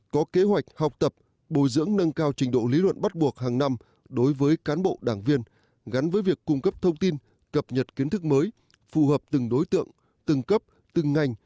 có kế hoạch học tập bồi dưỡng nâng cao trình độ lý luận bắt buộc hàng năm đối với cán bộ đảng viên gắn với việc cung cấp thông tin cập nhật kiến thức mới phù hợp từng đối tượng từng cấp từng ngành